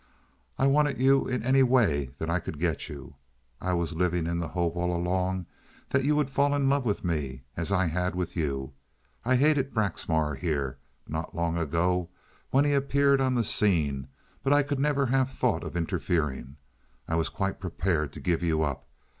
I wanted you in any way that I could get you. I was living in the hope all along that you would fall in love with me—as I had with you. I hated Braxmar here, not long ago, when he appeared on the scene, but I could never have thought of interfering. I was quite prepared to give you up.